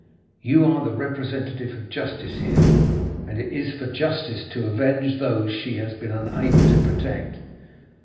You are the representative of justice here, and it is for justice to avenge those she has been unable to protect.